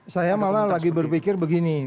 saya malah lagi berpikir begini